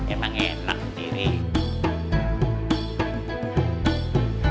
emang enak sih rika